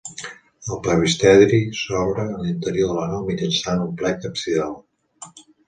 El presbiteri s'obre a l'interior de la nau mitjançant un plec absidal.